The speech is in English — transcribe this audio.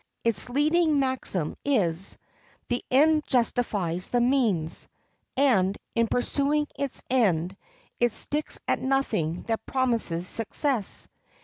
Its leading maxim is, "The end justifies the means," and, in pursuing its end, it sticks at nothing that promises success.